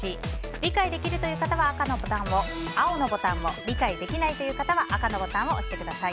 理解できるという方は青のボタンを理解できないという方は赤のボタンを押してください。